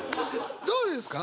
どうですか？